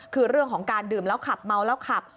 คือเรื่องของการดื่มแล้วขับเมาแล้วขับ